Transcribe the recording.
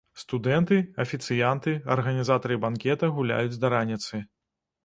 Студэнты, афіцыянты, арганізатары банкета гуляюць да раніцы.